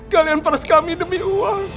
kalian peras kami demi uang